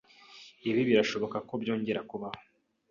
Ibi birashoboka ko byongera kubaho?